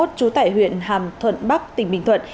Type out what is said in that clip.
trú tại huyện hàm thuận bắc tỉnh bình thuận